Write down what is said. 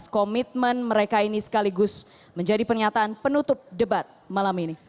komitmen mereka ini sekaligus menjadi pernyataan penutup debat malam ini